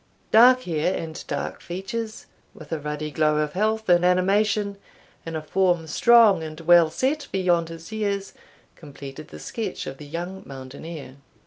Dark hair, and dark features, with a ruddy glow of health and animation, and a form strong and well set beyond his years, completed the sketch of the young mountaineer.